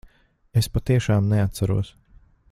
Es patiešām neatceros.